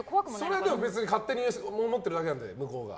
それは勝手に思ってるだけなので、向こうが。